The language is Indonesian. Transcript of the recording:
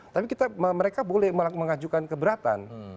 tapi mereka boleh mengajukan keberatan